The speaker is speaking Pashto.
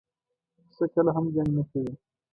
پسه کله هم جنګ نه کوي.